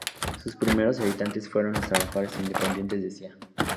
Sus primeros habitantes fueron los trabajadores independientes Cía.